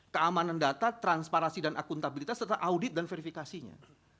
keamanan data transparasi dan akuntabilitas serta audit dan verifikasinya